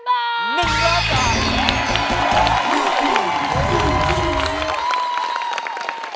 ๑ล้านบาท